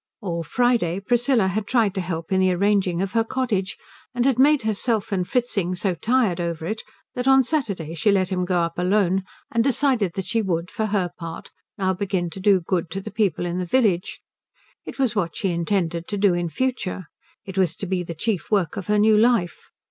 All Friday Priscilla had tried to help in the arranging of her cottage, and had made herself and Fritzing so tired over it that on Saturday she let him go up alone and decided that she would, for her part, now begin to do good to the people in the village. It was what she intended to do in future. It was to be the chief work of her new life.